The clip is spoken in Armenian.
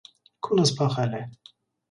Քունս փախել է: